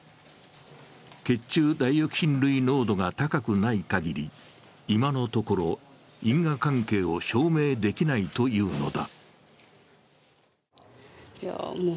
血中ダイオキシン類濃度が高くないかぎり、今のところ因果関係を証明できないというのだ。